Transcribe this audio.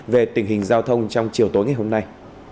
về tình hình giao thông trong chiều tối ngày hôm nay